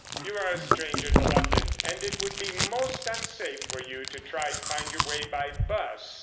"You are a stranger to London, and it would be most unsafe for you to try to find your way by 'bus.